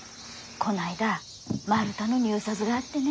こないだ丸太の入札があってね。